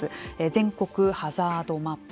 全国ハザードマップ。